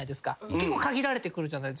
結構限られてくるじゃないですか。